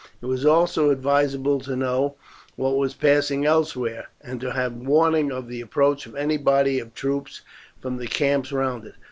It was also advisable to know what was passing elsewhere, and to have warning of the approach of any body of troops from the camps round it.